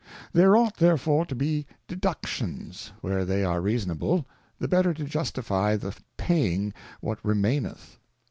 There ought therefore to be deductions where they are reasonable, the better to justifie the paying what remaineth.